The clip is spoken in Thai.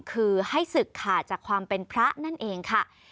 คือให้ศึกขาดจากความเป็นพระนั่นเองค่ะ